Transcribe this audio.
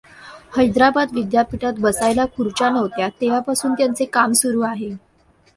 हैदराबाद विद्यापीठात, बसायला खुच्र्या नव्हत्या तेव्हापासून त्यांचे काम सुरू आहे.